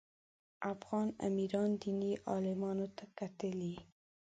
افغان امیرانو دیني عالمانو ته کتلي.